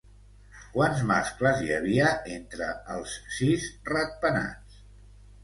Quants mascles hi havia entre els sis ratpenats?